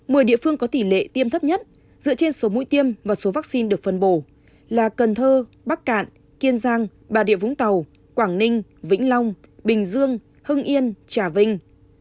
mười địa phương có tỷ lệ tiêm thấp nhất dựa trên số mũi tiêm và số vaccine được phân bổ là cần thơ bắc cạn kiên giang bà rịa vũng tàu quảng ninh vĩnh long bình dương hưng yên trà vinh